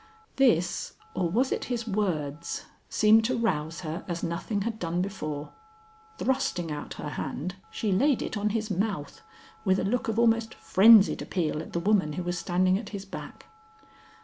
This, or was it his words, seemed to rouse her as nothing had done before. Thrusting out her hand, she laid it on his mouth, with a look of almost frenzied appeal at the woman who was standing at his back.